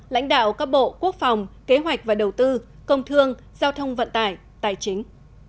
lãnh đạo các bộ quốc phòng kế hoạch và đầu tư công thương giao thông vận tải tài chính